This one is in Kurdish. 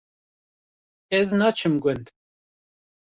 Ez naçim gund